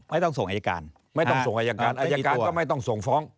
ไม่ต้องส่งอายการไม่ต้องส่งอายการอายการก็ไม่ต้องส่งฟ้อง